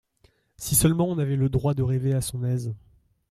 Si seulement on avait le droit de rêver à son aise !